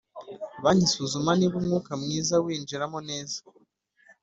Banki isuzuma niba umwuka mwiza winjiramo neza